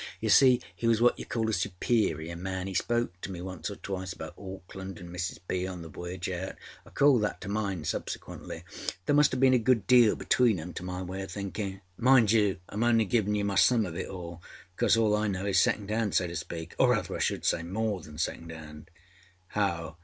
You see, he was what you call a superior man. âE spoke to me once or twice about Auckland and Mrs. B. on the voyage out. I called that to mind subsequently. There must âave been a good deal between âem, to my way oâ thinkinâ. Mind you Iâm only giving you my sum of it all, because all I know is second hand so to speak, or rather I should say more than second âand.â âHow?